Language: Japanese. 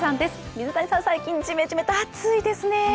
水谷さん、最近じめじめと暑いですね。